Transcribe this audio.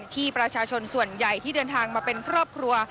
ที่ประชาชนส่วนใหญ่ที่เดินทางมาเป็นครอบครัว